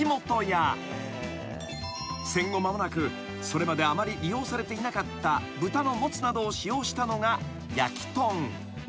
［戦後間もなくそれまであまり利用されていなかった豚のもつなどを使用したのがやきとん］